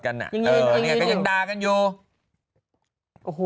ก็ยังดากันอยู่